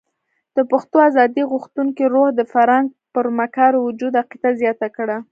د پښتنو ازادي غوښتونکي روح د فرنګ پر مکار وجود عقیده زیاته کړه.